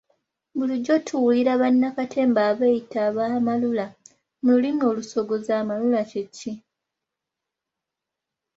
Bulijjo tuwulira bannakatemba abeeyita ba 'amalula' mu lulimi olusogozi amalula kye ki?